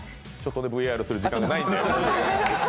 ＶＡＲする時間がないんで。